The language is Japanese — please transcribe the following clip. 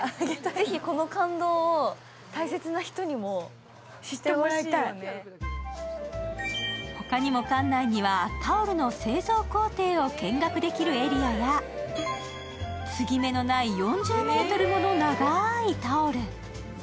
是非この感動を大切な人にも知ってもらいたい他にも館内にはタオルの製造工程を見学できるエリアや、継ぎ目のない４０ｍもの長いタオル。